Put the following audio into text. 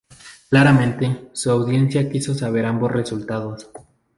Claramente, su audiencia quiso saber ambos resultados.